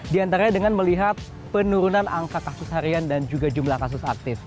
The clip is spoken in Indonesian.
di antaranya dengan melihat penurunan angka kasus harian dan juga jumlah kasus aktif